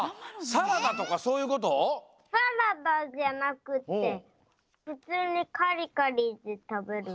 サラダじゃなくってふつうにカリカリってたべる。